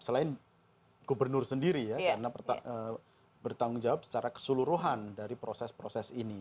selain gubernur sendiri ya karena bertanggung jawab secara keseluruhan dari proses proses ini